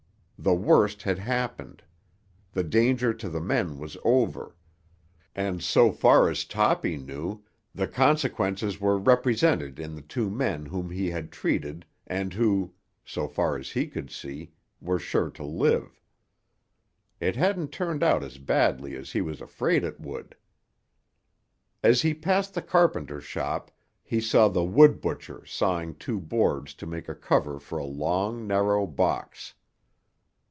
The worst had happened; the danger to the men was over; and, so far as Toppy knew, the consequences were represented in the two men whom he had treated and who, so far as he could see, were sure to live. It hadn't turned out as badly as he was afraid it would. As he passed the carpenter shop he saw the "wood butcher" sawing two boards to make a cover for a long, narrow box.